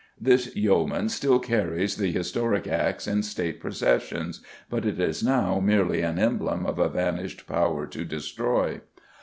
This Yeoman still carries the historic axe in State processions, but it is now merely an emblem of a vanished power to destroy.